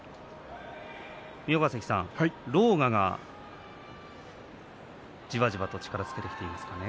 三保ヶ関さん、狼雅がじわじわと力をつけてきていますね。